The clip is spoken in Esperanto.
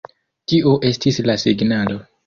Tio estis la signalo.